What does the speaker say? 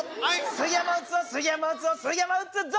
杉山打つぞ杉山打つぞ杉山打つぞ！